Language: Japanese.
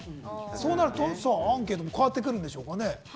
そうなるとアンケートも変わってくるんでしょうかね？